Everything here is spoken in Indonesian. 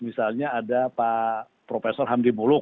misalnya ada pak profesor hamdi muluk